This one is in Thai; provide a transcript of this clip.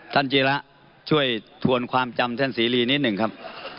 จีระช่วยทวนความจำท่านเสรีนิดหนึ่งครับ